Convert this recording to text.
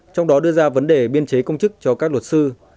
trong đó đưa ra vấn đề biên chế công chức cho các luật sư